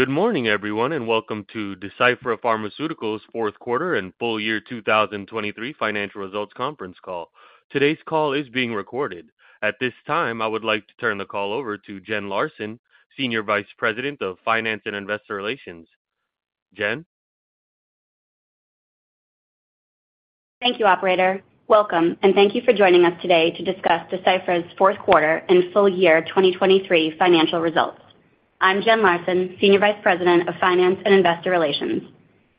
Good morning, everyone, and welcome to Deciphera Pharmaceuticals Fourth Quarter and Full Year 2023 Financial Results Conference Call. Today's call is being recorded. At this time, I would like to turn the call over to Jenn Larson, Senior Vice President of Finance and Investor Relations. Jenn? Thank you, operator. Welcome, and thank you for joining us today to discuss Deciphera's fourth quarter and full year 2023 financial results. I'm Jenn Larson, Senior Vice President of Finance and Investor Relations.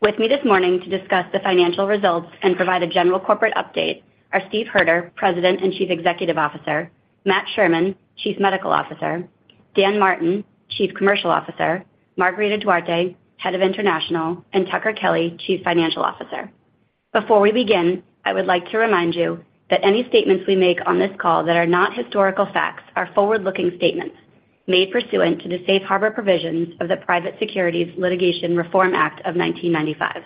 With me this morning to discuss the financial results and provide a general corporate update are Steve Hoerter, President and Chief Executive Officer; Matt Sherman, Chief Medical Officer; Dan Martin, Chief Commercial Officer; Margarida Duarte, Head of International; and Tucker Kelly, Chief Financial Officer. Before we begin, I would like to remind you that any statements we make on this call that are not historical facts are forward-looking statements made pursuant to the safe harbor provisions of the Private Securities Litigation Reform Act of 1995.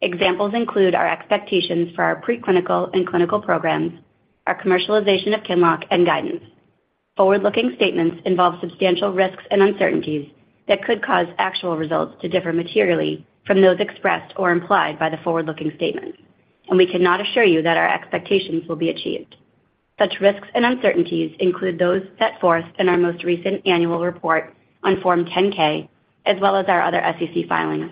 Examples include our expectations for our preclinical and clinical programs, our commercialization of QINLOCK and guidance. Forward-looking statements involve substantial risks and uncertainties that could cause actual results to differ materially from those expressed or implied by the forward-looking statements, and we cannot assure you that our expectations will be achieved. Such risks and uncertainties include those set forth in our most recent annual report on Form 10-K, as well as our other SEC filings.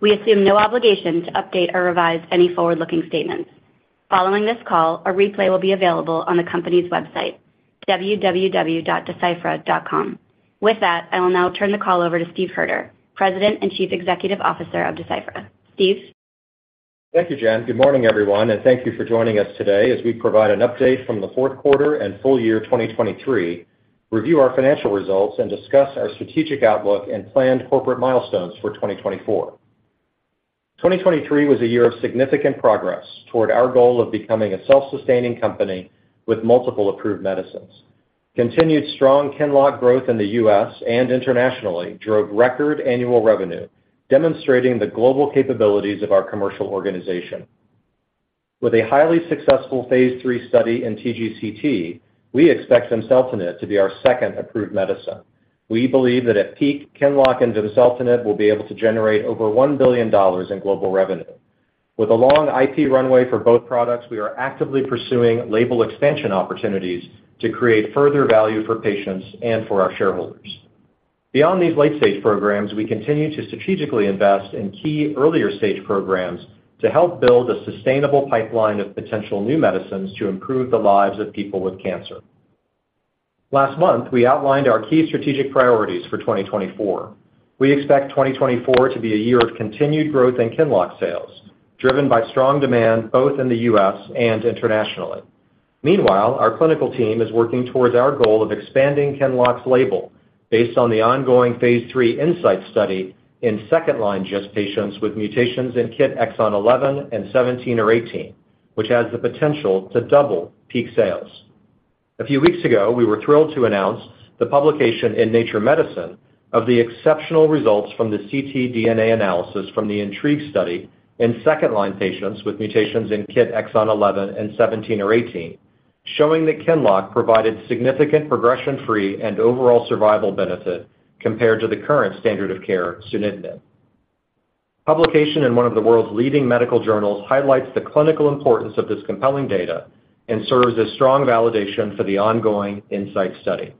We assume no obligation to update or revise any forward-looking statements. Following this call, a replay will be available on the company's website, www.deciphera.com. With that, I will now turn the call over to Steve Hoerter, President and Chief Executive Officer of Deciphera. Steve? Thank you, Jenn. Good morning, everyone, and thank you for joining us today as we provide an update from the fourth quarter and full year 2023, review our financial results, and discuss our strategic outlook and planned corporate milestones for 2024. 2023 was a year of significant progress toward our goal of becoming a self-sustaining company with multiple approved medicines. Continued strong QINLOCK growth in the US and internationally drove record annual revenue, demonstrating the global capabilities of our commercial organization. With a highly successful phase III study in TGCT, we expect vimseltinib to be our second approved medicine. We believe that at peak, QINLOCK and vimseltinib will be able to generate over $1 billion in global revenue. With a long IP runway for both products, we are actively pursuing label expansion opportunities to create further value for patients and for our shareholders. Beyond these late-stage programs, we continue to strategically invest in key earlier-stage programs to help build a sustainable pipeline of potential new medicines to improve the lives of people with cancer. Last month, we outlined our key strategic priorities for 2024. We expect 2024 to be a year of continued growth in QINLOCK sales, driven by strong demand both in the U.S. and internationally. Meanwhile, our clinical team is working towards our goal of expanding QINLOCK's label based on the ongoing phase III INSIGHT study in second-line GIST patients with mutations in KIT exon 11 and 17 or 18, which has the potential to double peak sales. A few weeks ago, we were thrilled to announce the publication in Nature Medicine of the exceptional results from the ctDNA analysis from the INTRIGUE study in second-line patients with mutations in KIT exon 11 and 17 or 18, showing that QINLOCK provided significant progression-free and overall survival benefit compared to the current standard of care, sunitinib. Publication in one of the world's leading medical journals highlights the clinical importance of this compelling data and serves as strong validation for the ongoing INSIGHT study.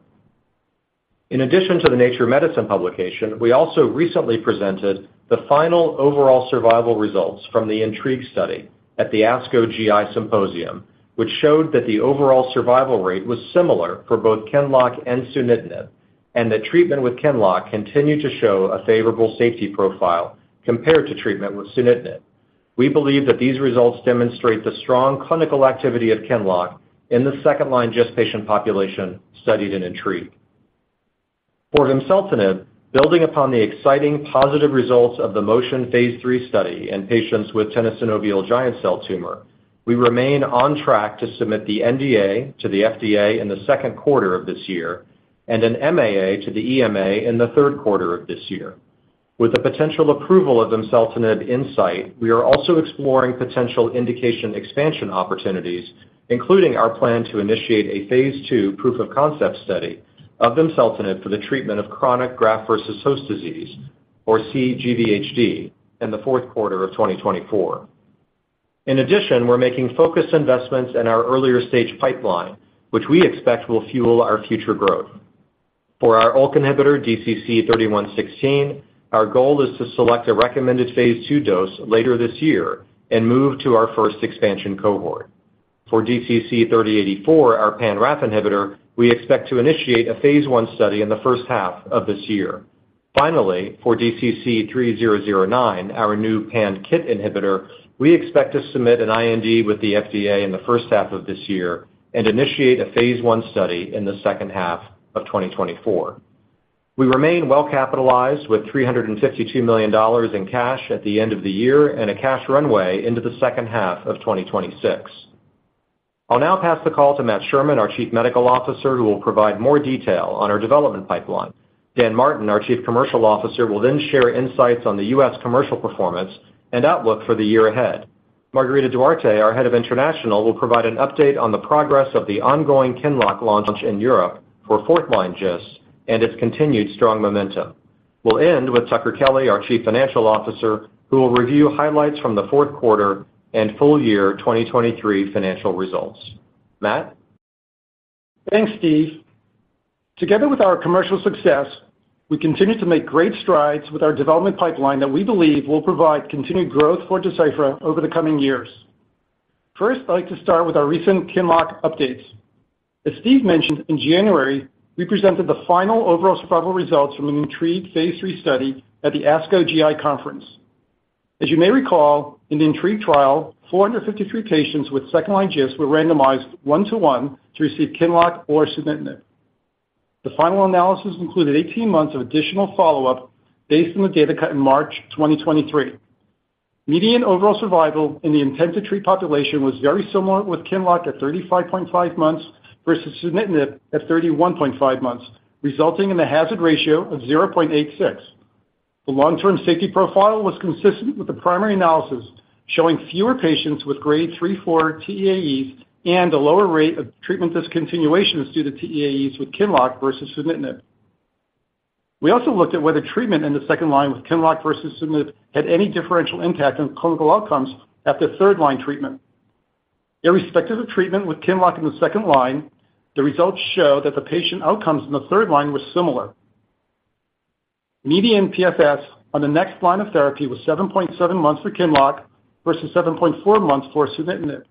In addition to the Nature Medicine publication, we also recently presented the final overall survival results from the INTRIGUE study at the ASCO GI Symposium, which showed that the overall survival rate was similar for both QINLOCK and sunitinib, and that treatment with QINLOCK continued to show a favorable safety profile compared to treatment with sunitinib. We believe that these results demonstrate the strong clinical activity of QINLOCK in the second-line GIST patient population studied in INTRIGUE. For vimseltinib, building upon the exciting positive results of the MOTION phase III study in patients with Tenosynovial giant cell tumor, we remain on track to submit the NDA to the FDA in the second quarter of this year and an MAA to the EMA in the third quarter of this year. With the potential approval of vimseltinib in sight, we are also exploring potential indication expansion opportunities, including our plan to initiate a phase II proof-of-concept study of vimseltinib for the treatment of chronic graft-versus-host disease, or cGVHD, in the fourth quarter of 2024. In addition, we're making focused investments in our earlier stage pipeline, which we expect will fuel our future growth. For our ULK inhibitor, DCC-3116, our goal is to select a recommended phase II dose later this year and move to our first expansion cohort. For DCC-3084, our pan-RAF inhibitor, we expect to initiate a phase I study in the first half of this year. Finally, for DCC-3009, our new pan-KIT inhibitor, we expect to submit an IND with the FDA in the first half of this year and initiate a phase I study in the second half of 2024. We remain well capitalized with $352 million in cash at the end of the year and a cash runway into the second half of 2026. I'll now pass the call to Matt Sherman, our Chief Medical Officer, who will provide more detail on our development pipeline. Dan Martin, our Chief Commercial Officer, will then share insights on the U.S. commercial performance and outlook for the year ahead. Margarida Duarte, our Head of International, will provide an update on the progress of the ongoing QINLOCK launch in Europe for fourth-line GIST and its continued strong momentum. We'll end with Tucker Kelly, our Chief Financial Officer, who will review highlights from the fourth quarter and full year 2023 financial results. Matt? Thanks, Steve. Together with our commercial success, we continue to make great strides with our development pipeline that we believe will provide continued growth for Deciphera over the coming years. First, I'd like to start with our recent QINLOCK updates. As Steve mentioned, in January, we presented the final overall survival results from the INTRIGUE phase III study at the ASCO GI conference. As you may recall, in the INTRIGUE trial, 453 patients with second-line GIST were randomized 1:1 to receive QINLOCK or sunitinib. The final analysis included 18 months of additional follow-up based on the data cut in March 2023. Median overall survival in the intent-to-treat population was very similar, with QINLOCK at 35.5 months versus sunitinib at 31.5 months, resulting in a hazard ratio of 0.86. The long-term safety profile was consistent with the primary analysis, showing fewer patients with grade three, four TEAEs and a lower rate of treatment discontinuation due to TEAEs with QINLOCK versus sunitinib. We also looked at whether treatment in the second line with QINLOCK versus sunitinib had any differential impact on clinical outcomes after third-line treatment. Irrespective of treatment with QINLOCK in the second line, the results show that the patient outcomes in the third line were similar. Median PFS on the next line of therapy was 7.7 months for QINLOCK versus 7.4 months for sunitinib.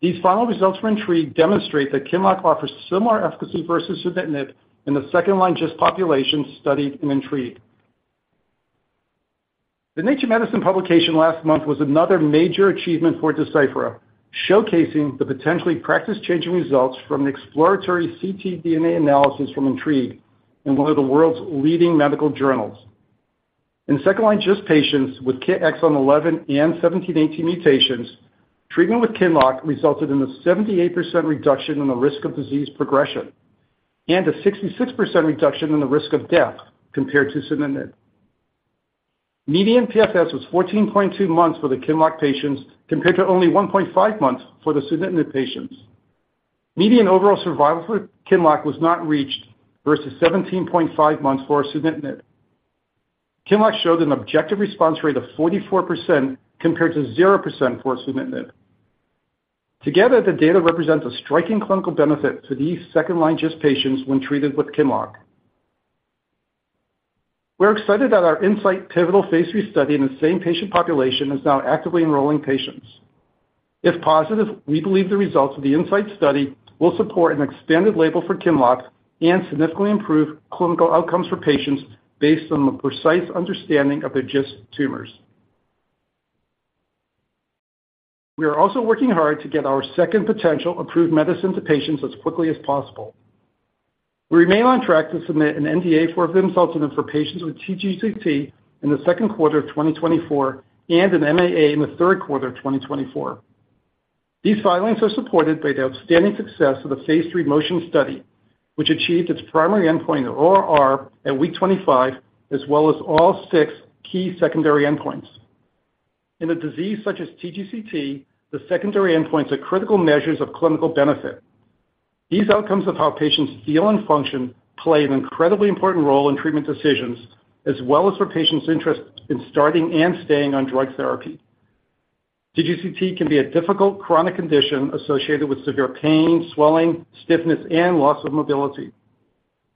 These final results for INTRIGUE demonstrate that QINLOCK offers similar efficacy versus sunitinib in the second-line GIST population studied in INTRIGUE. The Nature Medicine publication last month was another major achievement for Deciphera, showcasing the potentially practice-changing results from the exploratory ctDNA analysis from INTRIGUE in one of the world's leading medical journals. In second-line GIST patients with KIT exon 11 and 17, 18 mutations, treatment with QINLOCK resulted in a 78% reduction in the risk of disease progression and a 66% reduction in the risk of death compared to sunitinib. Median PFS was 14.2 months for the QINLOCK patients, compared to only 1.5 months for the sunitinib patients. Median overall survival for QINLOCK was not reached versus 17.5 months for sunitinib. QINLOCK showed an objective response rate of 44%, compared to 0% for sunitinib. Together, the data represents a striking clinical benefit to these second-line GIST patients when treated with QINLOCK. We're excited that our INSIGHT pivotal phase III study in the same patient population is now actively enrolling patients. If positive, we believe the results of the INSIGHT study will support an expanded label for QINLOCK and significantly improve clinical outcomes for patients based on the precise understanding of their GIST tumors. We are also working hard to get our second potential approved medicine to patients as quickly as possible. We remain on track to submit an NDA for vimseltinib for patients with TGCT in the second quarter of 2024 and an MAA in the third quarter of 2024. These filings are supported by the outstanding success of the phase III MOTION study, which achieved its primary endpoint of ORR at week 25, as well as all six key secondary endpoints. In a disease such as TGCT, the secondary endpoints are critical measures of clinical benefit. These outcomes of how patients feel and function play an incredibly important role in treatment decisions, as well as for patients' interest in starting and staying on drug therapy. TGCT can be a difficult chronic condition associated with severe pain, swelling, stiffness, and loss of mobility.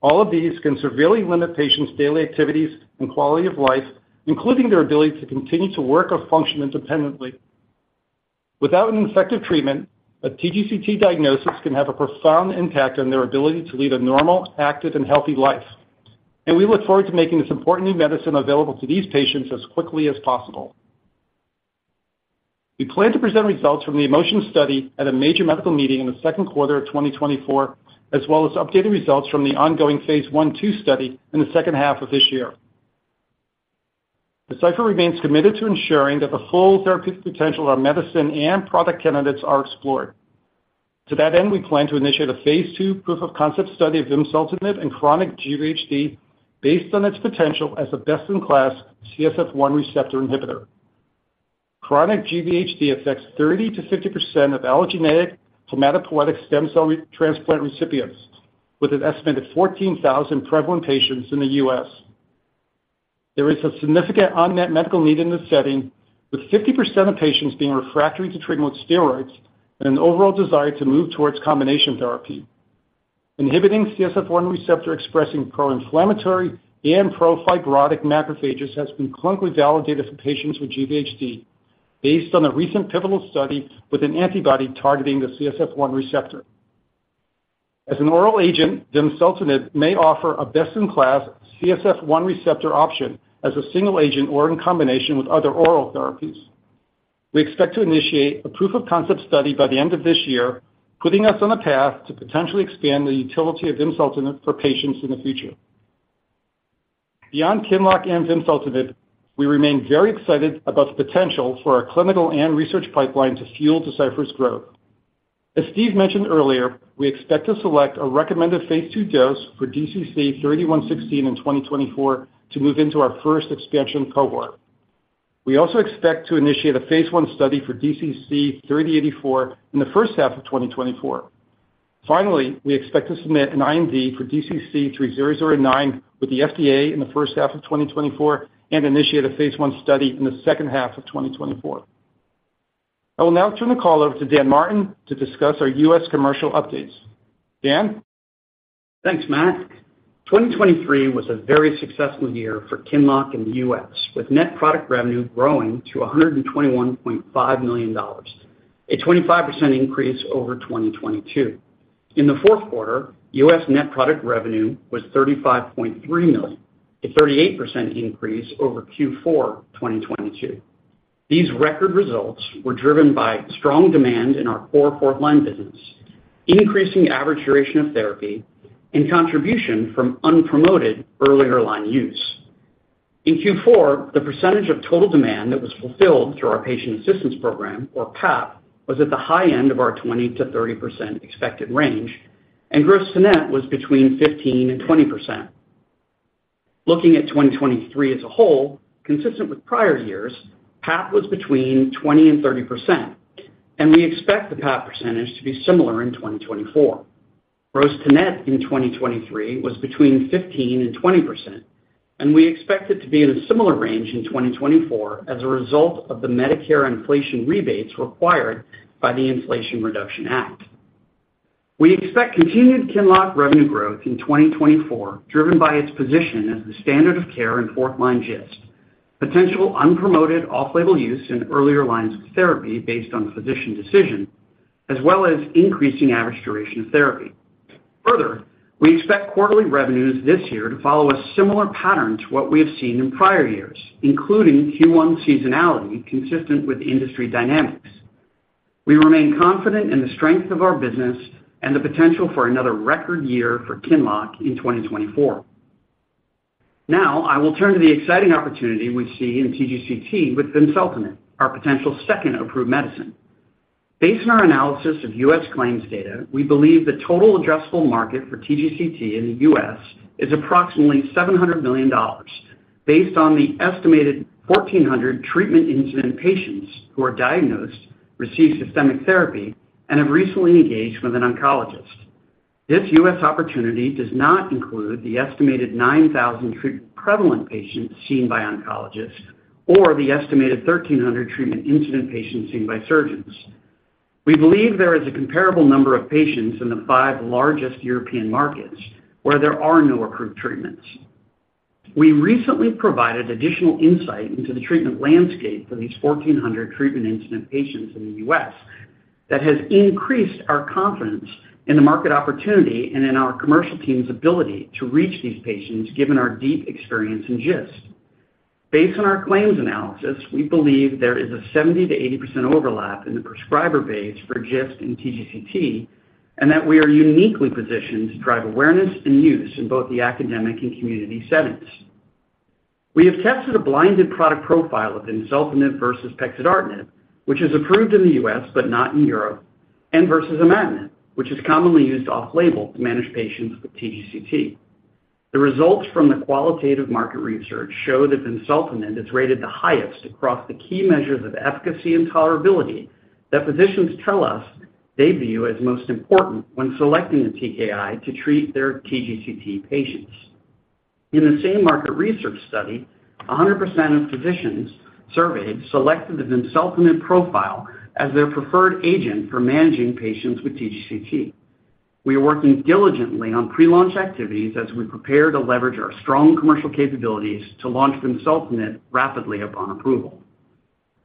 All of these can severely limit patients' daily activities and quality of life, including their ability to continue to work or function independently. Without an effective treatment, a TGCT diagnosis can have a profound impact on their ability to lead a normal, active, and healthy life, and we look forward to making this important new medicine available to these patients as quickly as possible. We plan to present results from the MOTION study at a major medical meeting in the second quarter of 2024, as well as updated results from the ongoing phase I/II study in the second half of this year. Deciphera remains committed to ensuring that the full therapeutic potential of our medicine and product candidates are explored. To that end, we plan to initiate a phase II proof-of-concept study of vimseltinib in chronic GVHD based on its potential as a best-in-class CSF1 receptor inhibitor. Chronic GVHD affects 30%-50% of allogeneic hematopoietic stem cell transplant recipients, with an estimated 14,000 prevalent patients in the U.S. There is a significant unmet medical need in this setting, with 50% of patients being refractory to treatment with steroids and an overall desire to move towards combination therapy. Inhibiting CSF1 receptor expressing pro-inflammatory and pro-fibrotic macrophages has been clinically validated for patients with GVHD based on a recent pivotal study with an antibody targeting the CSF1 receptor. As an oral agent, vimseltinib may offer a best-in-class CSF1 receptor option as a single agent or in combination with other oral therapies. We expect to initiate a proof of concept study by the end of this year, putting us on the path to potentially expand the utility of vimseltinib for patients in the future. Beyond QINLOCK and vimseltinib, we remain very excited about the potential for our clinical and research pipeline to fuel Deciphera's growth. As Steve mentioned earlier, we expect to select a recommended phase II dose for DCC-3116 in 2024 to move into our first expansion cohort. We also expect to initiate a phase I study for DCC-3084 in the first half of 2024. Finally, we expect to submit an IND for DCC-3009 with the FDA in the first half of 2024 and initiate a phase I study in the second half of 2024. I will now turn the call over to Dan Martin to discuss our U.S. commercial updates. Dan? Thanks, Matt. 2023 was a very successful year for QINLOCK in the US, with net product revenue growing to $121.5 million, a 25% increase over 2022. In the fourth quarter, US net product revenue was $35.3 million, a 38% increase over Q4 2022. These record results were driven by strong demand in our core fourth-line business, increasing average duration of therapy, and contribution from unpromoted earlier-line use. In Q4, the percentage of total demand that was fulfilled through our patient assistance program, or PAP, was at the high end of our 20%-30% expected range, and gross to net was between 15% and 20%. Looking at 2023 as a whole, consistent with prior years, PAP was between 20%-30%, and we expect the PAP percentage to be similar in 2024. Gross to net in 2023 was between 15%-20%, and we expect it to be in a similar range in 2024 as a result of the Medicare inflation rebates required by the Inflation Reduction Act. We expect continued QINLOCK revenue growth in 2024, driven by its position as the standard of care in fourth-line GIST, potential unpromoted off-label use in earlier lines of therapy based on the physician decision, as well as increasing average duration of therapy. Further, we expect quarterly revenues this year to follow a similar pattern to what we have seen in prior years, including Q1 seasonality, consistent with industry dynamics. We remain confident in the strength of our business and the potential for another record year for QINLOCK in 2024. Now, I will turn to the exciting opportunity we see in TGCT with vimseltinib, our potential second approved medicine. Based on our analysis of U.S. claims data, we believe the total addressable market for TGCT in the U.S. is approximately $700 million, based on the estimated 1,400 treatment incident patients who are diagnosed, receive systemic therapy, and have recently engaged with an oncologist. This U.S. opportunity does not include the estimated 9,000 treatment-prevalent patients seen by oncologists or the estimated 1,300 treatment incident patients seen by surgeons. We believe there is a comparable number of patients in the five largest European markets where there are no approved treatments. We recently provided additional insight into the treatment landscape for these 1,400 treatment incident patients in the U.S. that has increased our confidence in the market opportunity and in our commercial team's ability to reach these patients, given our deep experience in GIST. Based on our claims analysis, we believe there is a 70%-80% overlap in the prescriber base for GIST and TGCT, and that we are uniquely positioned to drive awareness and use in both the academic and community settings. We have tested a blinded product profile of vimseltinib versus pexidartinib, which is approved in the U.S. but not in Europe, and versus imatinib, which is commonly used off-label to manage patients with TGCT. The results from the qualitative market research show that vimseltinib is rated the highest across the key measures of efficacy and tolerability that physicians tell us they view as most important when selecting a TKI to treat their TGCT patients. In the same market research study, 100% of physicians surveyed selected the vimseltinib profile as their preferred agent for managing patients with TGCT. We are working diligently on pre-launch activities as we prepare to leverage our strong commercial capabilities to launch vimseltinib rapidly upon approval.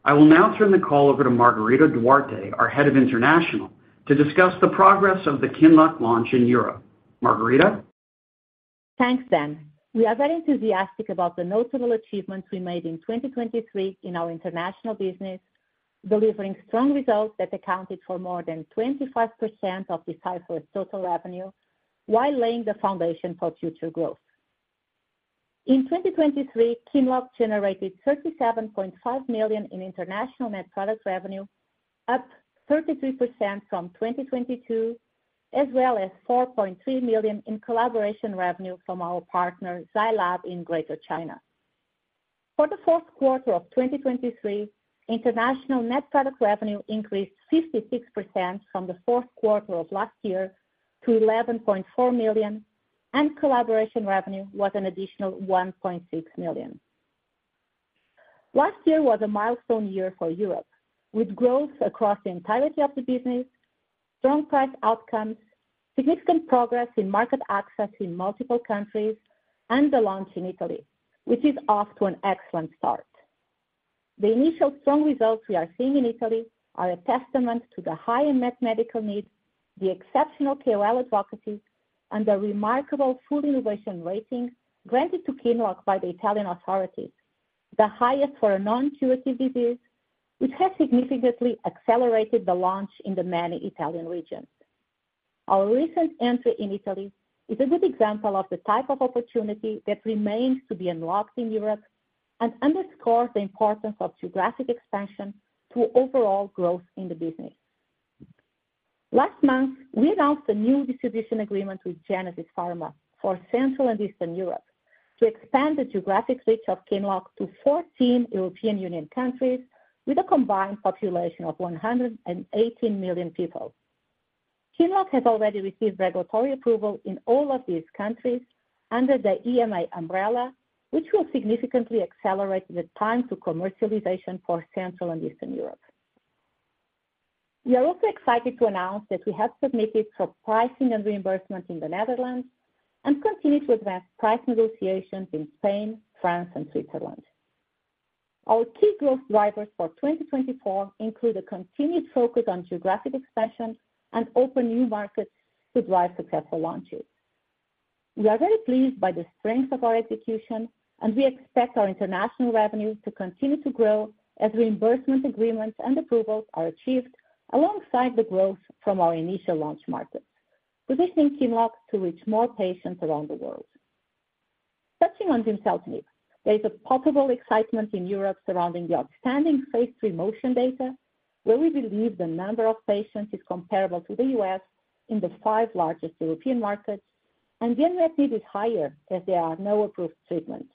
I will now turn the call over to Margarida Duarte, our Head of International, to discuss the progress of the QINLOCK launch in Europe. Margarida? Thanks, Dan. We are very enthusiastic about the notable achievements we made in 2023 in our international business, delivering strong results that accounted for more than 25% of Deciphera's total revenue, while laying the foundation for future growth. In 2023, QINLOCK generated $37.5 million in international net product revenue, up 33% from 2022, as well as $4.3 million in collaboration revenue from our partner, Zai Lab, in Greater China. For the fourth quarter of 2023, international net product revenue increased 56% from the fourth quarter of last year to $11.4 million, and collaboration revenue was an additional $1.6 million. Last year was a milestone year for Europe, with growth across the entirety of the business, strong price outcomes, significant progress in market access in multiple countries, and the launch in Italy, which is off to an excellent start. The initial strong results we are seeing in Italy are a testament to the high unmet medical needs, the exceptional KOL advocacy, and the remarkable full innovation rating granted to QINLOCK by the Italian authorities, the highest for a non-curative disease, which has significantly accelerated the launch in the many Italian regions. Our recent entry in Italy is a good example of the type of opportunity that remains to be unlocked in Europe and underscores the importance of geographic expansion to overall growth in the business. Last month, we announced a new distribution agreement with Genesis Pharma for Central and Eastern Europe to expand the geographic reach of QINLOCK to 14 European Union countries, with a combined population of 118 million people. QINLOCK has already received regulatory approval in all of these countries under the EMA umbrella, which will significantly accelerate the time to commercialization for Central and Eastern Europe. We are also excited to announce that we have submitted for pricing and reimbursement in the Netherlands and continue to advance price negotiations in Spain, France, and Switzerland. Our key growth drivers for 2024 include a continued focus on geographic expansion and open new markets to drive successful launches. We are very pleased by the strength of our execution, and we expect our international revenues to continue to grow as reimbursement agreements and approvals are achieved alongside the growth from our initial launch markets, positioning QINLOCK to reach more patients around the world. Touching on vimseltinib, there is a palpable excitement in Europe surrounding the outstanding phase III MOTION data, where we believe the number of patients is comparable to the U.S. in the five largest European markets, and the unmet need is higher as there are no approved treatments.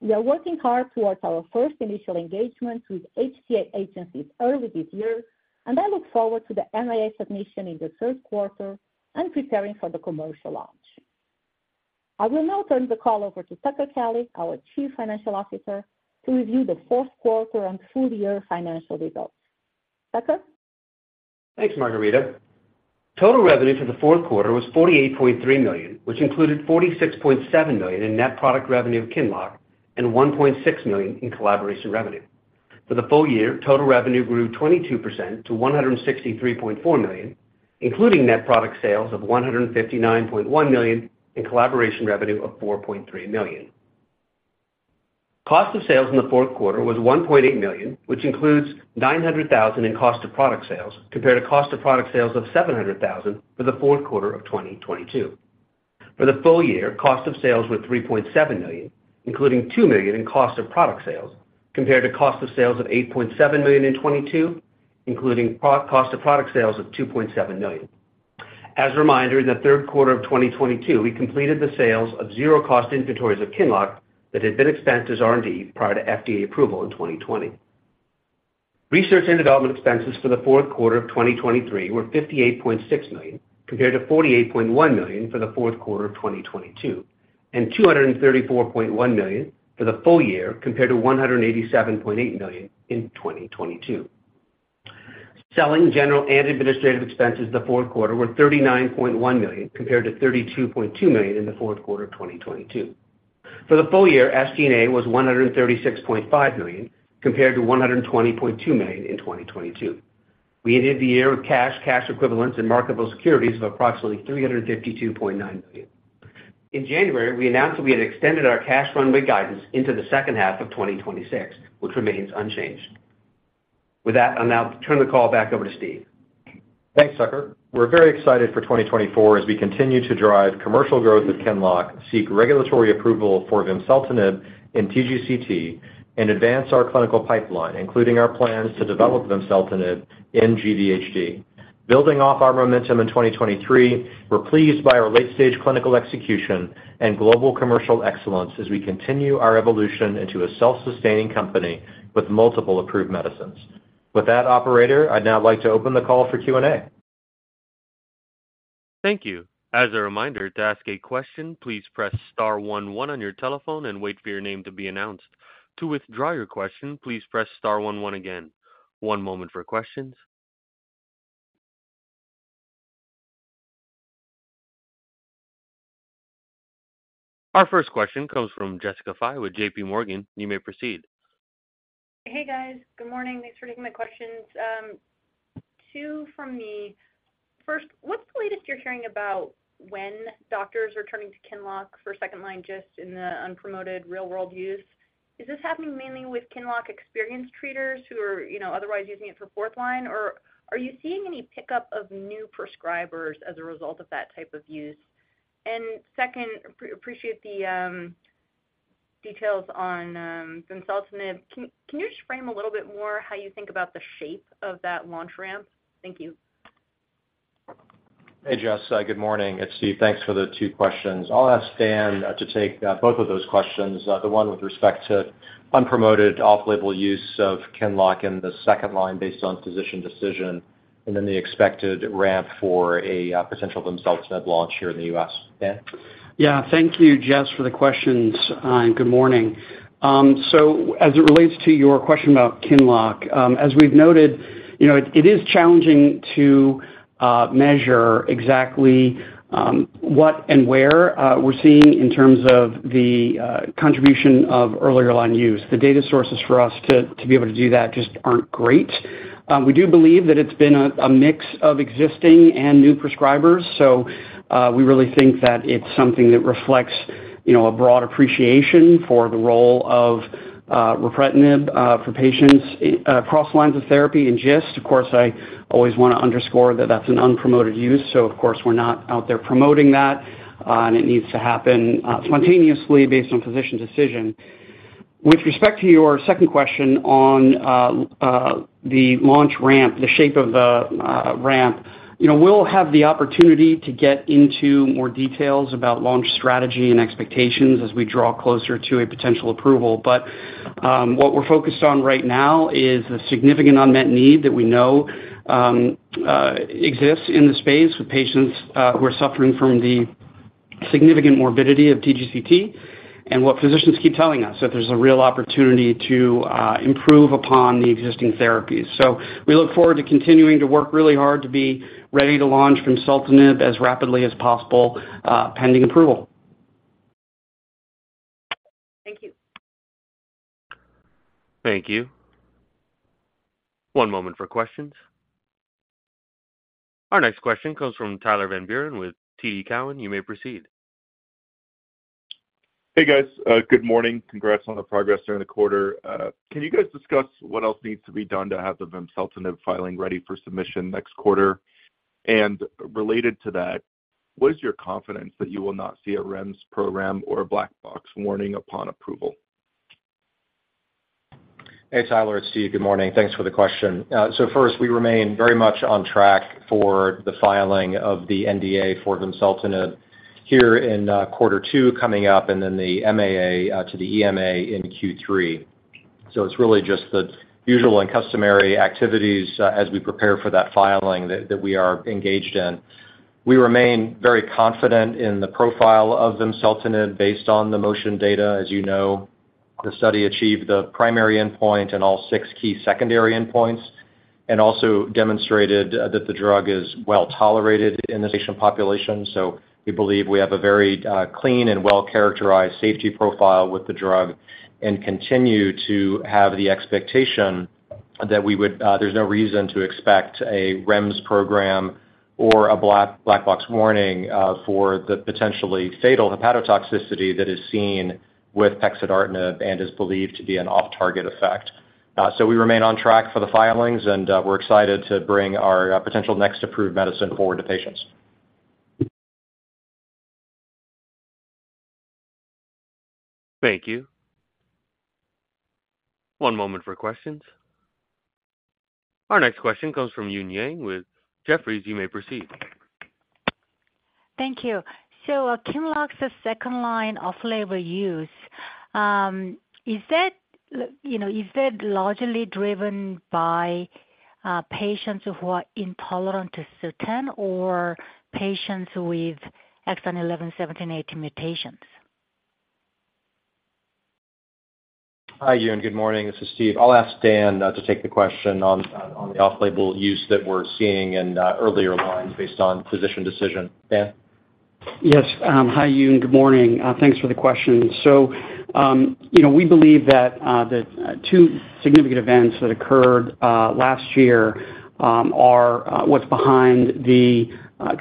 We are working hard towards our first initial engagement with EMA agencies early this year, and I look forward to the MAA submission in the third quarter and preparing for the commercial launch. I will now turn the call over to Tucker Kelly, our Chief Financial Officer, to review the fourth quarter and full-year financial results. Tucker? Thanks, Margarida. Total revenue for the fourth quarter was $48.3 million, which included $46.7 million in net product revenue of QINLOCK and $1.6 million in collaboration revenue. For the full year, total revenue grew 22% to $163.4 million, including net product sales of $159.1 million and collaboration revenue of $4.3 million. Cost of sales in the fourth quarter was $1.8 million, which includes $900,000 in cost of product sales, compared to cost of product sales of $700,000 for the fourth quarter of 2022. For the full year, cost of sales were $3.7 million, including $2 million in cost of product sales, compared to cost of sales of $8.7 million in 2022, including cost of product sales of $2.7 million. As a reminder, in the third quarter of 2022, we completed the sales of zero-cost inventories of QINLOCK that had been expensed as R&D prior to FDA approval in 2020. Research and development expenses for the fourth quarter of 2023 were $58.6 million, compared to $48.1 million for the fourth quarter of 2022, and $234.1 million for the full year, compared to $187.8 million in 2022. Selling, general, and administrative expenses in the fourth quarter were $39.1 million, compared to $32.2 million in the fourth quarter of 2022. For the full year, SG&A was $136.5 million, compared to $120.2 million in 2022. We ended the year with cash, cash equivalents, and marketable securities of approximately $352.9 million. In January, we announced that we had extended our cash runway guidance into the second half of 2026, which remains unchanged. With that, I'll now turn the call back over to Steve. Thanks, Tucker. We're very excited for 2024 as we continue to drive commercial growth with QINLOCK, seek regulatory approval for vimseltinib in TGCT, and advance our clinical pipeline, including our plans to develop vimseltinib in cGVHD. Building off our momentum in 2023, we're pleased by our late-stage clinical execution and global commercial excellence as we continue our evolution into a self-sustaining company with multiple approved medicines. With that, operator, I'd now like to open the call for Q&A. Thank you. As a reminder, to ask a question, please press star one one on your telephone and wait for your name to be announced. To withdraw your question, please press star one one again. One moment for questions. Our first question comes from Jessica Fye with JPMorgan. You may proceed. Hey, guys. Good morning. Thanks for taking my questions. Two from me. First, what's the latest you're hearing about when doctors are turning to QINLOCK for second-line GIST in the unpromoted real-world use? Is this happening mainly with QINLOCK experienced treaters who are, you know, otherwise using it for fourth line, or are you seeing any pickup of new prescribers as a result of that type of use? And second, appreciate the details on vimseltinib. Can you just frame a little bit more how you think about the shape of that launch ramp? Thank you. Hey, Jess, good morning. It's Steve. Thanks for the two questions. I'll ask Dan to take both of those questions, the one with respect to unpromoted off-label use of QINLOCK in the second line based on physician decision, and then the expected ramp for a potential vimseltinib launch here in the US. Dan? Yeah. Thank you, Jess, for the questions, and good morning. So as it relates to your question about QINLOCK, as we've noted, you know, it, it is challenging to measure exactly, what and where, we're seeing in terms of the contribution of earlier line use. The data sources for us to, to be able to do that just aren't great. We do believe that it's been a, a mix of existing and new prescribers, so, we really think that it's something that reflects... you know, a broad appreciation for the role of Ripretinib for patients across lines of therapy in GIST. Of course, I always want to underscore that that's an unpromoted use, so of course, we're not out there promoting that, and it needs to happen spontaneously based on physician decision. With respect to your second question on the launch ramp, the shape of the ramp, you know, we'll have the opportunity to get into more details about launch strategy and expectations as we draw closer to a potential approval. But what we're focused on right now is the significant unmet need that we know exists in the space for patients who are suffering from the significant morbidity of TGCT, and what physicians keep telling us, that there's a real opportunity to improve upon the existing therapies. We look forward to continuing to work really hard to be ready to launch vimseltinib as rapidly as possible, pending approval. Thank you. Thank you. One moment for questions. Our next question comes from Tyler Van Buren with TD Cowen. You may proceed. Hey, guys. Good morning. Congrats on the progress during the quarter. Can you guys discuss what else needs to be done to have the vimseltinib filing ready for submission next quarter? And related to that, what is your confidence that you will not see a REMS program or a black box warning upon approval? Hey, Tyler, it's Steve. Good morning. Thanks for the question. So first, we remain very much on track for the filing of the NDA for vimseltinib here in quarter two coming up, and then the MAA to the EMA in Q3. So it's really just the usual and customary activities as we prepare for that filing that we are engaged in. We remain very confident in the profile of vimseltinib, based on the MOTION data. As you know, the study achieved the primary endpoint and all six key secondary endpoints, and also demonstrated that the drug is well tolerated in the patient population. So we believe we have a very, clean and well-characterized safety profile with the drug and continue to have the expectation that we would—there's no reason to expect a REMS program or a black, black box warning, for the potentially fatal hepatotoxicity that is seen with pexidartinib and is believed to be an off-target effect. So we remain on track for the filings, and, we're excited to bring our, potential next approved medicine forward to patients. Thank you. One moment for questions. Our next question comes from Eun Yang with Jefferies. You may proceed. Thank you. So, QINLOCK's second-line off-label use, is that, you know, is that largely driven by, patients who are intolerant to Sutent or patients with exon 11, 17, 18 mutations? Hi, Yoon. Good morning. This is Steve. I'll ask Dan to take the question on the off-label use that we're seeing in earlier lines based on physician decision. Dan? Yes, hi, Eun, good morning. Thanks for the question. So, you know, we believe that the two significant events that occurred last year are what's behind the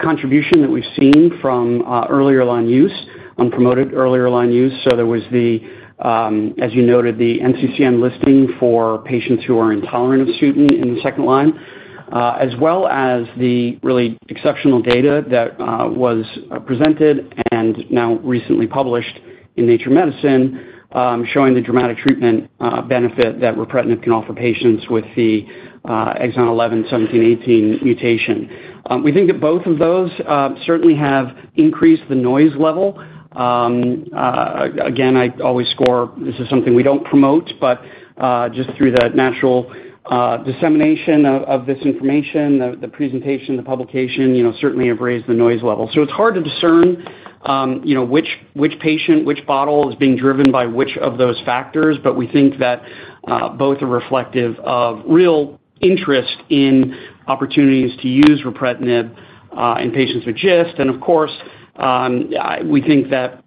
contribution that we've seen from earlier line use, unpromoted earlier line use. So there was the, as you noted, the NCCN listing for patients who are intolerant of Sutent in the second line, as well as the really exceptional data that was presented and now recently published in Nature Medicine, showing the dramatic treatment benefit that Ripretinib can offer patients with the exon 11, 17, 18 mutation. We think that both of those certainly have increased the noise level. Again, I always score... This is something we don't promote, but just through the natural dissemination of this information, the presentation, the publication, you know, certainly have raised the noise level. So it's hard to discern, you know, which patient, which bottle is being driven by which of those factors, but we think that both are reflective of real interest in opportunities to use Ripretinib in patients with GIST. And of course, we think that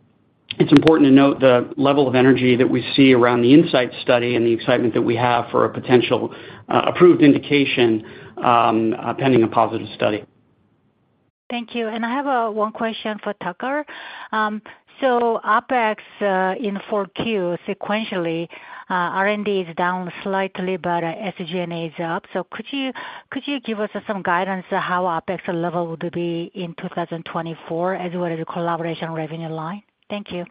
it's important to note the level of energy that we see around the INSIGHT study and the excitement that we have for a potential approved indication, pending a positive study. Thank you. And I have one question for Tucker. So OpEx in 4Q sequentially, R&D is down slightly, but SG&A is up. So could you give us some guidance on how OpEx level would be in 2024, as well as the collaboration revenue line? Thank you.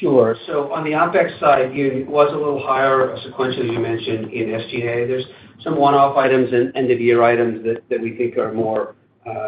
Sure. So on the OpEx side, Yoon, it was a little higher sequentially, you mentioned in SG&A. There's some one-off items and end-of-year items that we think are more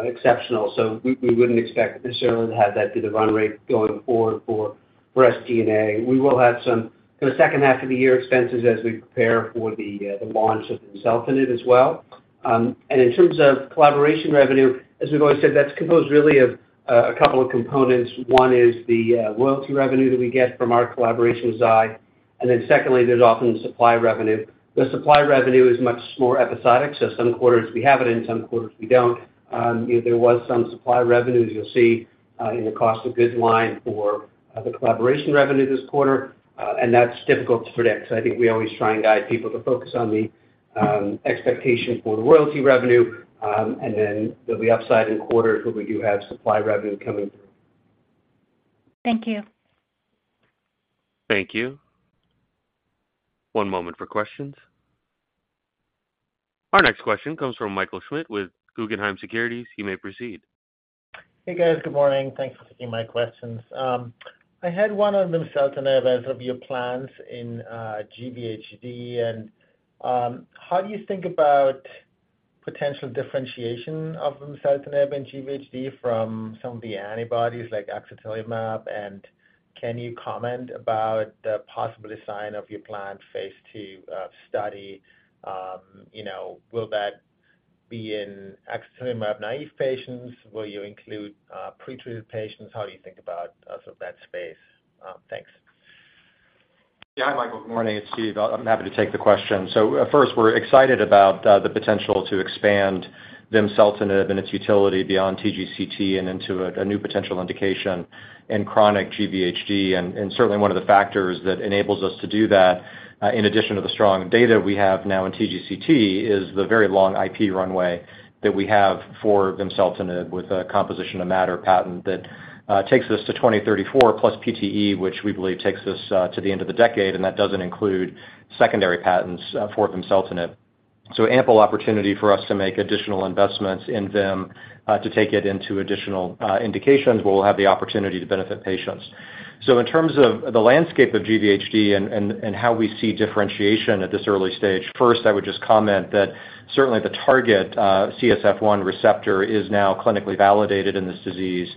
exceptional. So we wouldn't expect necessarily to have that be the run rate going forward for SG&A. We will have some, in the second half of the year, expenses as we prepare for the launch of vimseltinib as well. And in terms of collaboration revenue, as we've always said, that's composed really of a couple of components. One is the royalty revenue that we get from our collaboration with Zai. And then secondly, there's often supply revenue. The supply revenue is much more episodic, so some quarters we have it, and some quarters we don't. There was some supply revenue, as you'll see, in the cost of goods line for the collaboration revenue this quarter, and that's difficult to predict. So I think we always try and guide people to focus on the expectation for the royalty revenue, and then there'll be upside in quarters where we do have supply revenue coming through. Thank you. Thank you. One moment for questions. Our next question comes from Michael Schmidt with Guggenheim Securities. He may proceed. Hey, guys. Good morning. Thanks for taking my questions. I had one on vimseltinib as of your plans in GVHD, and how do you think about potential differentiation of vimseltinib in GVHD from some of the antibodies like axatilimab? Can you comment about the possible design of your planned phase II study? You know, will that be in axatilimab naive patients? Will you include pretreated patients? How do you think about sort of that space? Thanks. Yeah. Hi, Michael. Good morning. It's Steve. I'm happy to take the question. So, first, we're excited about the potential to expand vimseltinib and its utility beyond TGCT and into a new potential indication in chronic GVHD. And certainly one of the factors that enables us to do that, in addition to the strong data we have now in TGCT, is the very long IP runway that we have for vimseltinib, with a composition of matter patent that takes us to 2034, plus PTE, which we believe takes us to the end of the decade, and that doesn't include secondary patents for vimseltinib. So ample opportunity for us to make additional investments in vimseltinib to take it into additional indications where we'll have the opportunity to benefit patients. So in terms of the landscape of GVHD and how we see differentiation at this early stage, first, I would just comment that certainly the target, CSF1 receptor is now clinically validated in this disease,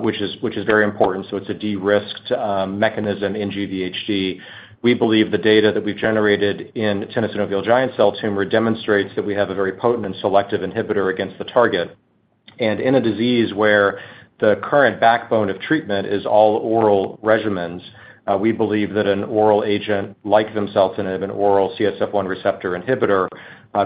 which is very important, so it's a de-risked mechanism in GVHD. We believe the data that we've generated in Tenosynovial giant cell tumor demonstrates that we have a very potent and selective inhibitor against the target. In a disease where the current backbone of treatment is all oral regimens, we believe that an oral agent, like vimseltinib, an oral CSF1 receptor inhibitor,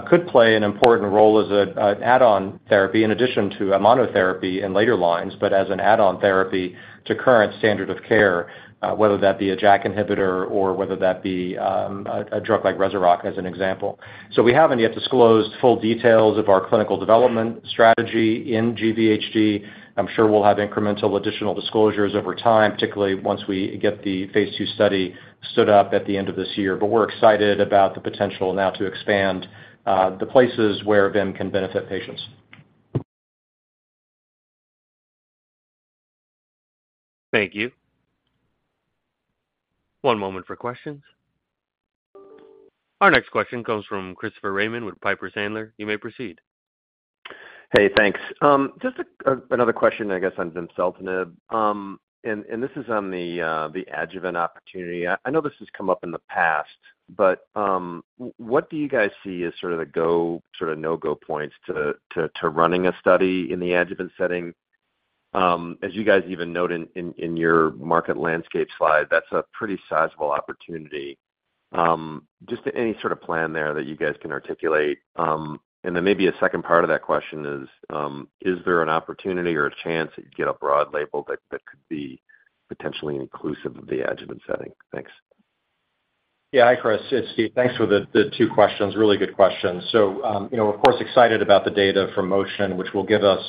could play an important role as a, an add-on therapy in addition to a monotherapy in later lines, but as an add-on therapy to current standard of care, whether that be a JAK inhibitor or whether that be, a, a drug like Rezurock as an example. So we haven't yet disclosed full details of our clinical development strategy in GVHD. I'm sure we'll have incremental additional disclosures over time, particularly once we get the phase II study stood up at the end of this year. But we're excited about the potential now to expand, the places where vim can benefit patients. Thank you. One moment for questions. Our next question comes from Christopher Raymond with Piper Sandler. You may proceed. Hey, thanks. Just another question, I guess, on vimseltinib. And this is on the adjuvant opportunity. I know this has come up in the past, but what do you guys see as sort of the go, sort of no-go points to running a study in the adjuvant setting? As you guys even noted in your market landscape slide, that's a pretty sizable opportunity. Just any sort of plan there that you guys can articulate? And then maybe a second part of that question is, is there an opportunity or a chance that you get a broad label that could be potentially inclusive of the adjuvant setting? Thanks. Yeah. Hi, Chris, it's Steve. Thanks for the two questions. Really good questions. So, you know, of course, excited about the data from MOTION, which will give us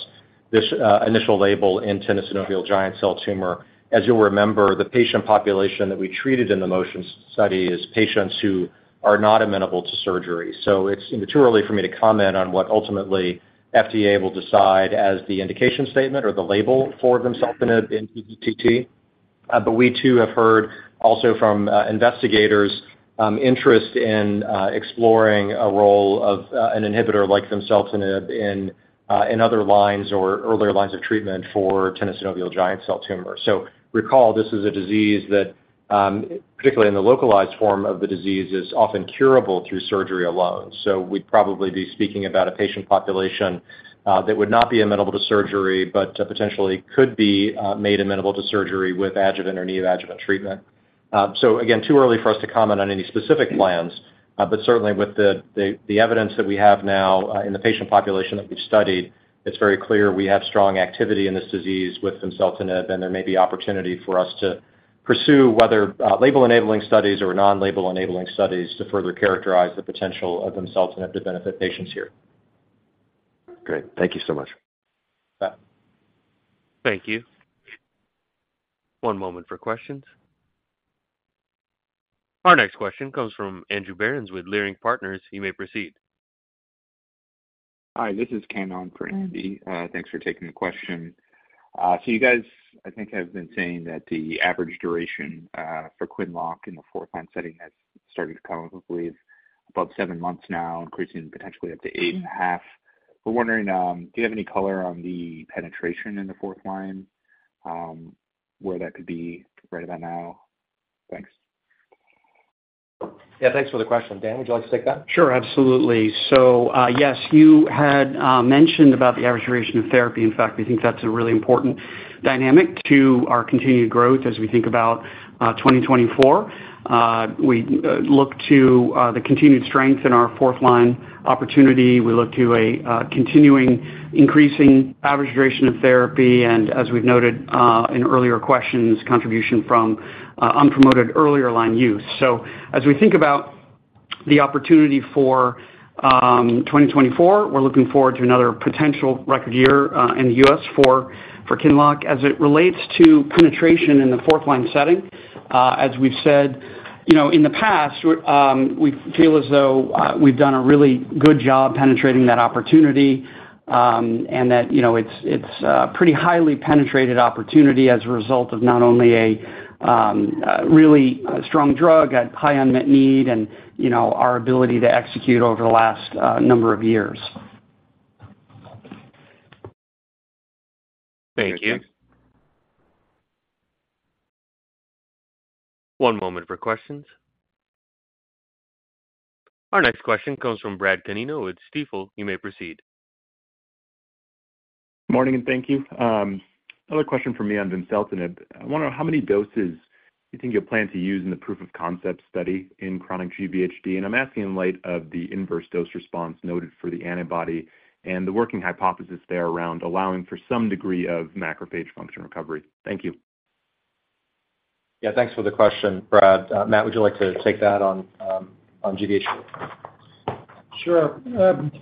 this initial label in Tenosynovial giant cell tumor. As you'll remember, the patient population that we treated in the MOTION study is patients who are not amenable to surgery. So it's, you know, too early for me to comment on what ultimately FDA will decide as the indication statement or the label for vimseltinib in TGCT. But we, too, have heard also from investigators interest in exploring a role of an inhibitor like vimseltinib in other lines or earlier lines of treatment for Tenosynovial giant cell tumor. So recall, this is a disease that, particularly in the localized form of the disease, is often curable through surgery alone. So we'd probably be speaking about a patient population that would not be amenable to surgery, but potentially could be made amenable to surgery with adjuvant or neoadjuvant treatment. So again, too early for us to comment on any specific plans, but certainly with the evidence that we have now in the patient population that we've studied, it's very clear we have strong activity in this disease with vimseltinib, and there may be opportunity for us to pursue whether label-enabling studies or non-label enabling studies to further characterize the potential of vimseltinib to benefit patients here. Great. Thank you so much. Thank you. One moment for questions. Our next question comes from Andrew Berens with Leerink Partners. You may proceed. Hi, this is Ken on for Andy. Thanks for taking the question. So you guys, I think, have been saying that the average duration for QINLOCK in the fourth line setting has started to come, I believe, above seven months now, increasing potentially up to eight and a half. We're wondering, do you have any color on the penetration in the fourth line, where that could be right about now? Thanks. Yeah, thanks for the question. Dan, would you like to take that? Sure, absolutely. So, yes, you had mentioned about the average duration of therapy. In fact, we think that's a really important dynamic to our continued growth as we think about 2024. We look to the continued strength in our fourth line opportunity. We look to a continuing increasing average duration of therapy, and as we've noted in earlier questions, contribution from unpromoted earlier line use. So as we think about the opportunity for 2024, we're looking forward to another potential record year in the US for QINLOCK. As it relates to penetration in the fourth line setting, as we've said, you know, in the past, we feel as though we've done a really good job penetrating that opportunity, and that, you know, it's a pretty highly penetrated opportunity as a result of not only a really strong drug at high unmet need and, you know, our ability to execute over the last number of years. Thank you. One moment for questions. Our next question comes from Bradley Canino with Stifel. You may proceed. Morning, and thank you. Another question for me on vimseltinib. I wonder how many doses you think you'll plan to use in the proof of concept study in chronic GVHD? And I'm asking in light of the inverse dose response noted for the antibody and the working hypothesis there around allowing for some degree of macrophage function recovery. Thank you. Yeah, thanks for the question, Brad. Matt, would you like to take that on, on GVHD? Sure.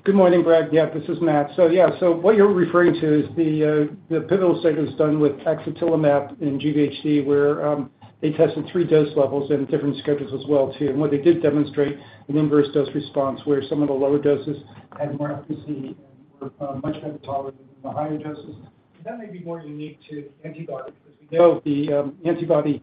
Good morning, Brad. Yeah, this is Matt. So, yeah, so what you're referring to is the, the pivotal segment done with axatilimab in GVHD, where, they tested three dose levels and different schedules as well, too. And what they did demonstrate an inverse dose response where some of the lower doses had more efficacy and were, much better tolerated than the higher doses. That may be more unique to the antibody. As we know, the, antibody,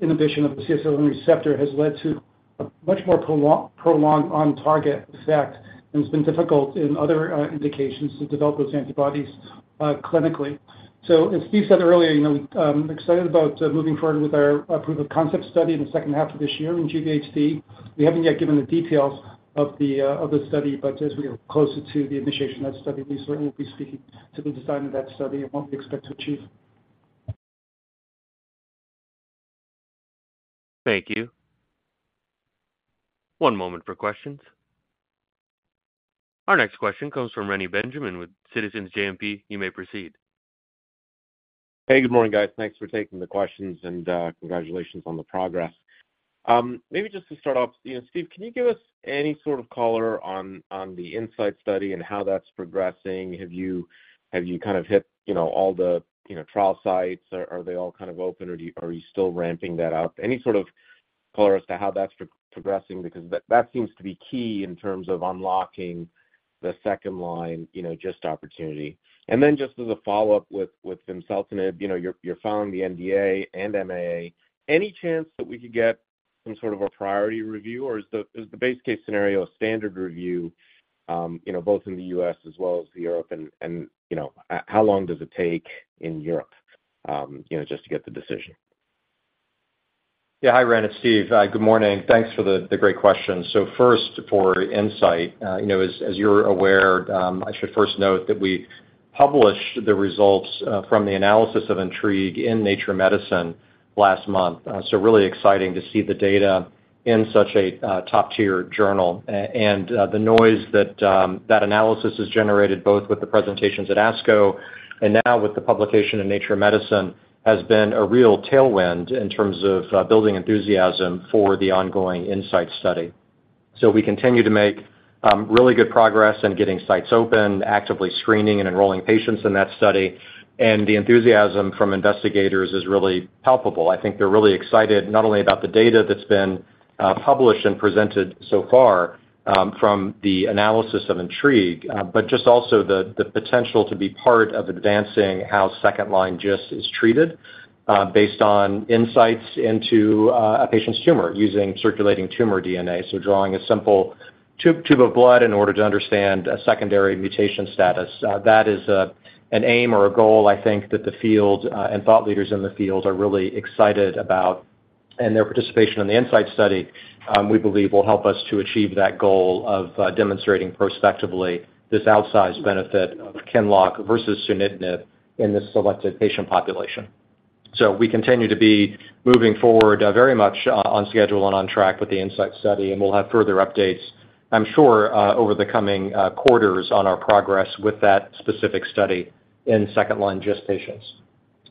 inhibition of the CSF1R receptor has led to a much more prolonged on target effect, and it's been difficult in other, indications to develop those antibodies, clinically. So as Steve said earlier, you know, excited about moving forward with our, proof of concept study in the second half of this year in GVHD. We haven't yet given the details of the study, but as we get closer to the initiation of the study, we certainly will be speaking to the design of that study and what we expect to achieve. Thank you. One moment for questions. Our next question comes from Reni Benjamin with Citizens JMP. You may proceed. Hey, good morning, guys. Thanks for taking the questions, and congratulations on the progress. Maybe just to start off, you know, Steve, can you give us any sort of color on the INSIGHT study and how that's progressing? Have you kind of hit, you know, all the trial sites? Are they all kind of open, or are you still ramping that up? Any sort of color as to how that's progressing, because that seems to be key in terms of unlocking the second line, you know, just opportunity. And then just as a follow-up with vimseltinib, you know, you're following the NDA and MAA. Any chance that we could get some sort of a priority review, or is the base case scenario a standard review, you know, both in the U.S. as well as Europe? You know, how long does it take in Europe, you know, just to get the decision? Yeah. Hi, Reni, it's Steve. Good morning. Thanks for the great questions. So first, for INSIGHT, you know, as you're aware, I should first note that we published the results from the analysis of INTRIGUE in Nature Medicine last month. So really exciting to see the data in such a top-tier journal. And the noise that that analysis has generated, both with the presentations at ASCO and now with the publication in Nature Medicine, has been a real tailwind in terms of building enthusiasm for the ongoing INSIGHT study. So we continue to make really good progress in getting sites open, actively screening and enrolling patients in that study. And the enthusiasm from investigators is really palpable. I think they're really excited, not only about the data that's been published and presented so far from the analysis of INTRIGUE, but just also the potential to be part of advancing how second-line GIST is treated based on insights into a patient's tumor using circulating tumor DNA. So drawing a simple tube of blood in order to understand a secondary mutation status. That is an aim or a goal I think that the field and thought leaders in the field are really excited about. And their participation in the INSIGHT study, we believe, will help us to achieve that goal of demonstrating prospectively this outsized benefit of QINLOCK versus sunitinib in this selected patient population. So we continue to be moving forward, very much on schedule and on track with the INSIGHT study, and we'll have further updates, I'm sure, over the coming quarters on our progress with that specific study in second-line GIST patients.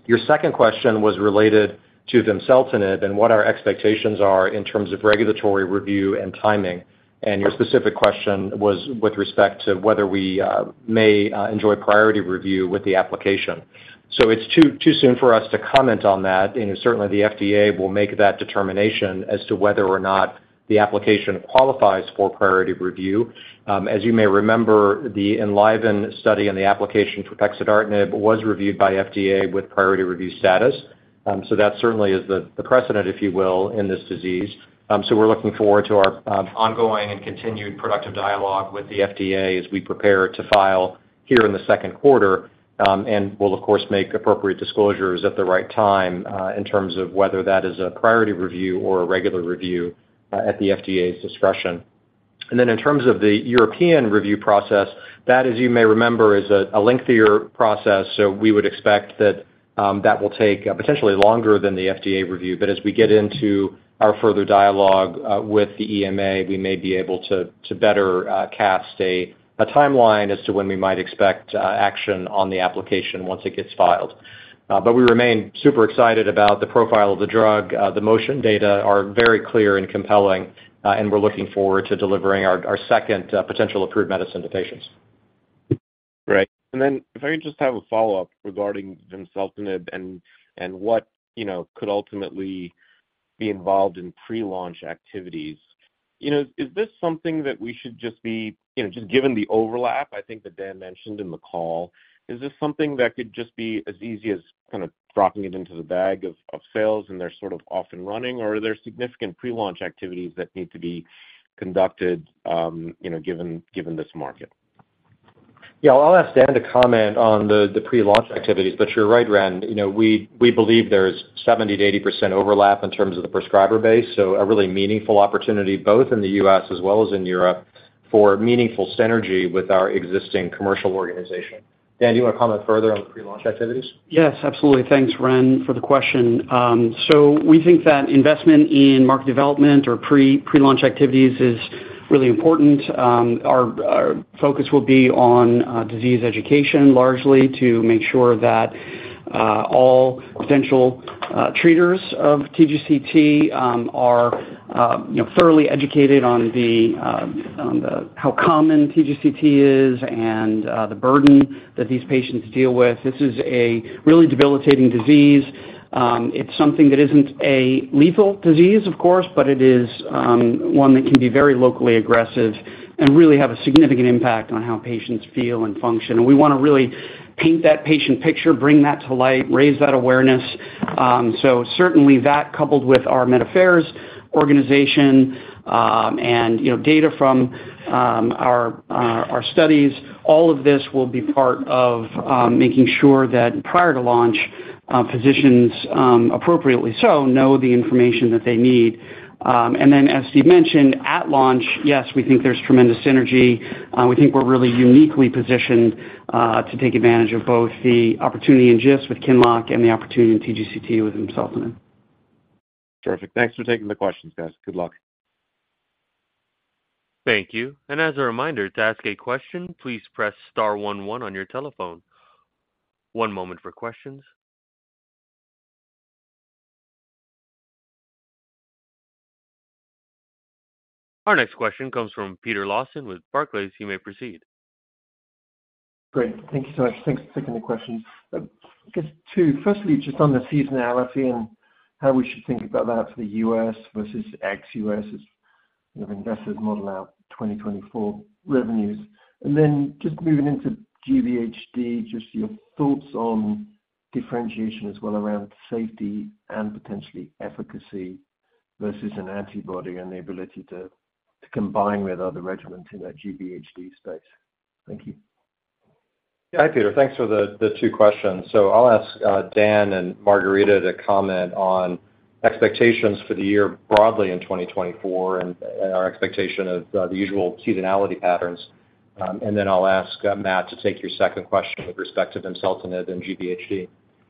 Your second question was related to vimseltinib and what our expectations are in terms of regulatory review and timing. And your specific question was with respect to whether we may enjoy priority review with the application. So it's too soon for us to comment on that, and certainly the FDA will make that determination as to whether or not the application qualifies for priority review. As you may remember, the ENLIVEN study and the application for pexidartinib was reviewed by FDA with priority review status, so that certainly is the precedent, if you will, in this disease. So we're looking forward to our ongoing and continued productive dialogue with the FDA as we prepare to file here in the second quarter. And we'll of course make appropriate disclosures at the right time in terms of whether that is a priority review or a regular review at the FDA's discretion. And then in terms of the European review process, that, as you may remember, is a lengthier process. So we would expect that that will take potentially longer than the FDA review. But as we get into our further dialogue with the EMA, we may be able to better cast a timeline as to when we might expect action on the application once it gets filed. But we remain super excited about the profile of the drug. The MOTION data are very clear and compelling, and we're looking forward to delivering our second potential approved medicine to patients. Great. And then if I could just have a follow-up regarding vimseltinib and what, you know, could ultimately be involved in pre-launch activities. You know, is this something that we should just be—you know, just given the overlap, I think that Dan mentioned in the call, is this something that could just be as easy as kind of dropping it into the bag of sales, and they're sort of off and running? Or are there significant pre-launch activities that need to be conducted, you know, given this market? Yeah, I'll ask Dan to comment on the pre-launch activities, but you're right, Reni. You know, we believe there's 70%-80% overlap in terms of the prescriber base, so a really meaningful opportunity, both in the U.S. as well as in Europe, for meaningful synergy with our existing commercial organization. Dan, do you wanna comment further on the pre-launch activities? Yes, absolutely. Thanks, Reni, for the question. So we think that investment in market development or pre-launch activities is really important. Our focus will be on disease education, largely to make sure that all potential treaters of TGCT are you know, thoroughly educated on how common TGCT is and the burden that these patients deal with. This is a really debilitating disease. It's something that isn't a lethal disease, of course, but it is one that can be very locally aggressive and really have a significant impact on how patients feel and function. And we wanna really paint that patient picture, bring that to light, raise that awareness. So certainly that, coupled with our Medical Affairs organization, and, you know, data from our studies, all of this will be part of making sure that prior to launch, physicians appropriately so know the information that they need. And then, as Steve mentioned, at launch, yes, we think there's tremendous synergy. We think we're really uniquely positioned to take advantage of both the opportunity in GIST with QINLOCK and the opportunity in TGCT with vimseltinib. Perfect. Thanks for taking the questions, guys. Good luck. Thank you. As a reminder, to ask a question, please press star one one on your telephone. One moment for questions. Our next question comes from Peter Lawson with Barclays. You may proceed. Great. Thank you so much. Thanks for taking the question. I guess two, firstly, just on the seasonality and how we should think about that for the U.S. versus ex-U.S., as you have in your investor model out 2024 revenues. And then just moving into GVHD, just your thoughts on differentiation as well around safety and potentially efficacy versus an antibody and the ability to, to combine with other regimens in that GVHD space. Thank you. Yeah. Hi, Peter. Thanks for the two questions. So I'll ask Dan and Margarida to comment on expectations for the year broadly in 2024 and our expectation of the usual seasonality patterns. And then I'll ask Matt to take your second question with respect to vimseltinib and GVHD.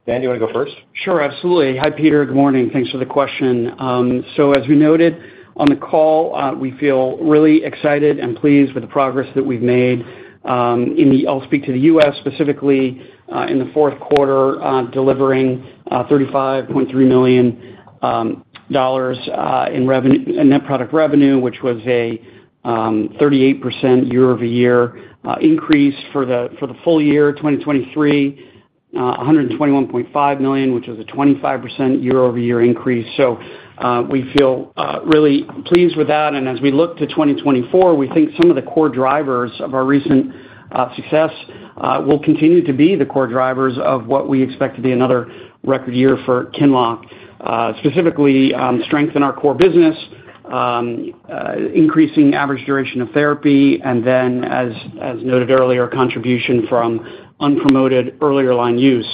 Dan, do you wanna go first? Sure, absolutely. Hi, Peter. Good morning. Thanks for the question. So as we noted on the call, we feel really excited and pleased with the progress that we've made, in the... I'll speak to the U.S. specifically, in the fourth quarter, delivering $35.3 million in net product revenue, which was a 38% year-over-year increase for the full year 2023, $121.5 million, which is a 25% year-over-year increase. So, we feel really pleased with that. And as we look to 2024, we think some of the core drivers of our recent success will continue to be the core drivers of what we expect to be another record year for QINLOCK. Specifically, strength in our core business, increasing average duration of therapy, and then, as noted earlier, contribution from unpromoted earlier line use.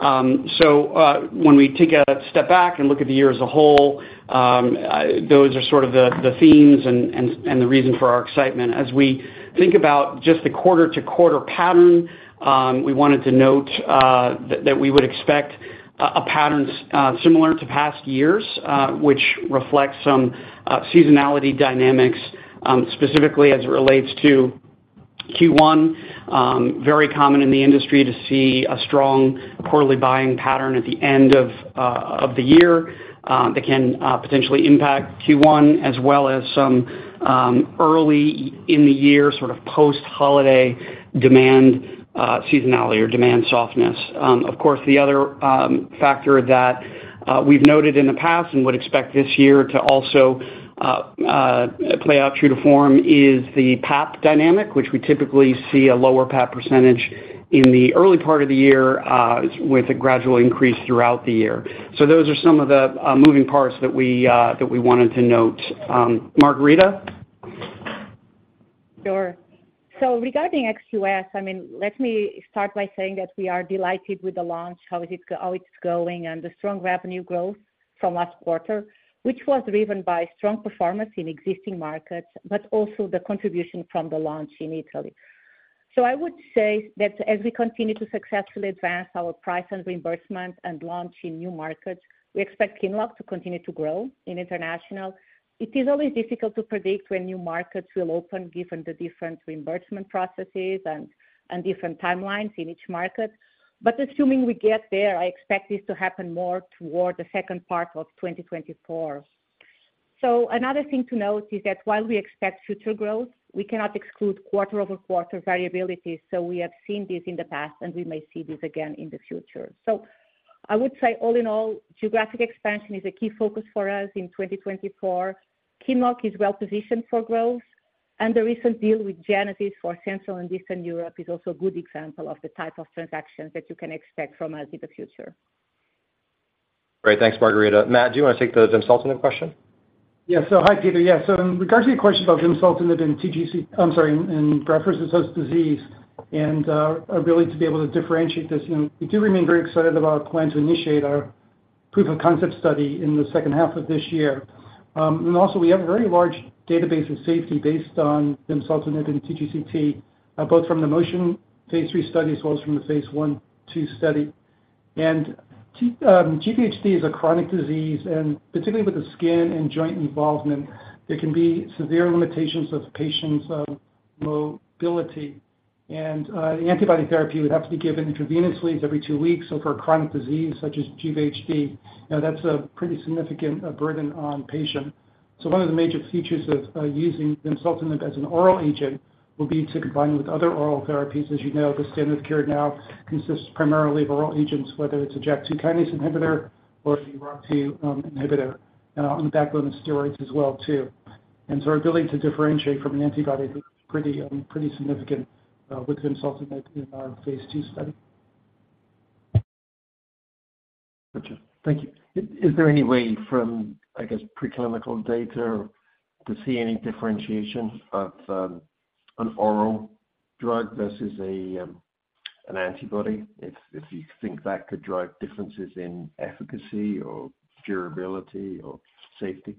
So, when we take a step back and look at the year as a whole, those are sort of the themes and the reason for our excitement. As we think about just the quarter-to-quarter pattern, we wanted to note that we would expect a pattern similar to past years, which reflects some seasonality dynamics, specifically as it relates to Q1. Very common in the industry to see a strong quarterly buying pattern at the end of the year, that can potentially impact Q1, as well as some early in the year, sort of post-holiday demand, seasonality or demand softness. Of course, the other factor that we've noted in the past and would expect this year to also play out true to form is the PAP dynamic, which we typically see a lower PAP percentage in the early part of the year with a gradual increase throughout the year. So those are some of the moving parts that we wanted to note. Margarida? Sure. So regarding QINLOCK, I mean, let me start by saying that we are delighted with the launch, how is it, how it's going, and the strong revenue growth from last quarter, which was driven by strong performance in existing markets, but also the contribution from the launch in Italy. So I would say that as we continue to successfully advance our price and reimbursement and launch in new markets, we expect QINLOCK to continue to grow in international. It is always difficult to predict when new markets will open, given the different reimbursement processes and, and different timelines in each market. But assuming we get there, I expect this to happen more toward the second part of 2024. So another thing to note is that while we expect future growth, we cannot exclude quarter-over-quarter variability. We have seen this in the past, and we may see this again in the future. So I would say, all in all, geographic expansion is a key focus for us in 2024. QINLOCK is well positioned for growth, and the recent deal with Genesis for Central and Eastern Europe is also a good example of the type of transactions that you can expect from us in the future. Great. Thanks, Margarida. Matt, do you want to take the vimseltinib question? Yeah. So hi, Peter. Yeah, so in regards to your question about vimseltinib and TGCT... I'm sorry, in GVHD and, our ability to be able to differentiate this, you know, we do remain very excited about our plan to initiate our proof of concept study in the second half of this year. And also, we have a very large database of safety based on vimseltinib and TGCT, both from the MOTION phase III study, as well as from the phase I/II study. And, GVHD is a chronic disease, and particularly with the skin and joint involvement, there can be severe limitations of patients, mobility. And, the antibody therapy would have to be given intravenously every two weeks. So for a chronic disease such as GVHD, now that's a pretty significant, burden on patient. So one of the major features of using vimseltinib as an oral agent will be to combine with other oral therapies. As you know, the standard of care now consists primarily of oral agents, whether it's a Janus kinase inhibitor or a ROCK inhibitor on the background of steroids as well, too. And so our ability to differentiate from an antibody is pretty significant with vimseltinib in our phase II study. Gotcha. Thank you. Is there any way from, I guess, preclinical data to see any differentiation of an oral drug versus an antibody? If you think that could drive differences in efficacy or durability or safety?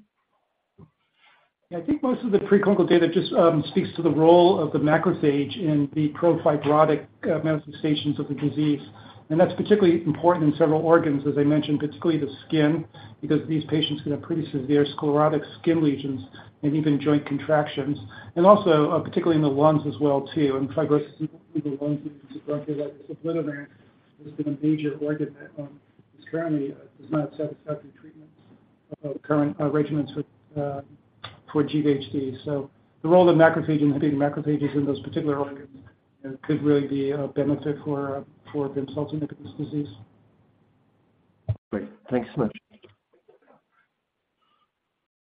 Yeah, I think most of the preclinical data just speaks to the role of the macrophage in the pro-fibrotic manifestations of the disease. And that's particularly important in several organs, as I mentioned, particularly the skin, because these patients can have pretty severe sclerotic skin lesions and even joint contractions, and also particularly in the lungs as well, too. And the lungs have been a major organ that currently does not have satisfactory current regimens for GVHD. So the role of inhibiting macrophages in those particular organs could really be a benefit for vimseltinib in this disease. Great. Thanks so much.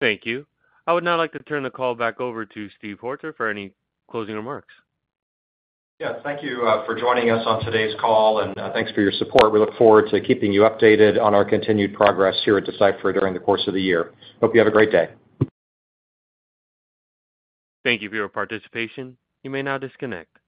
Thank you. I would now like to turn the call back over to Steve Hoerter for any closing remarks. Yeah, thank you for joining us on today's call, and thanks for your support. We look forward to keeping you updated on our continued progress here at Deciphera during the course of the year. Hope you have a great day. Thank you for your participation. You may now disconnect.